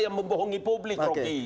yang membohongi publik roky